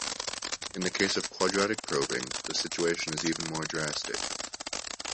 In the case of quadratic probing, the situation is even more drastic.